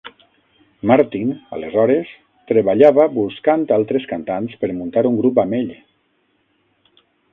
Martin, aleshores, treballava buscant altres cantants per muntar un grup amb ell.